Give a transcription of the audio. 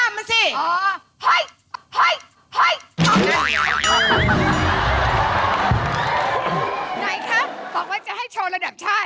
บอกว่าจะให้โชว์ระดับชาติ